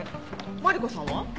マリコさんは？